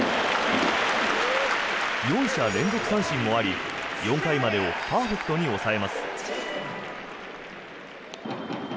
４者連続三振もあり４回までをパーフェクトに抑えます。